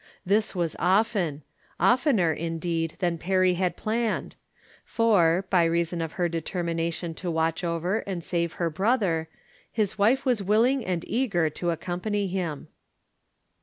This was often ; oftener, in deed, than Perry had planned : for, by reason of • her determination to watch over and save her brother, his wife was willing and eager to accom ' pany him.